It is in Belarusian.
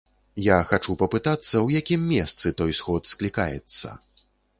Я хачу папытацца, у якім месцы той сход склікаецца.